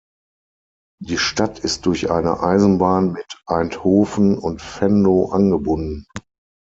Die Stadt ist durch eine Eisenbahn mit Eindhoven und Venlo angebunden.